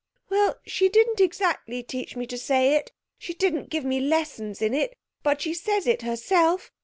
'Well, she didn't exactly teach me to say it she didn't give me lessons in it but she says it herself.